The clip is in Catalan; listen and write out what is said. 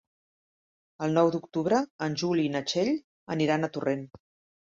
El nou d'octubre en Juli i na Txell aniran a Torrent.